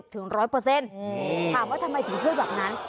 ถามว่าทำไมถึงช่วยแบบนั้น